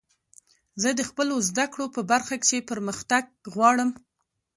زه د خپلو زدکړو په برخه کښي پرمختګ غواړم.